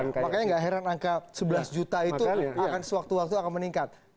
makanya gak heran angka sebelas juta itu akan sewaktu waktu akan meningkat